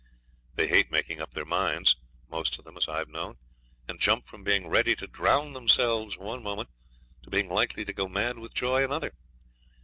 They hate making up their minds, most of 'em as I've known, and jump from being ready to drown themselves one moment to being likely to go mad with joy another.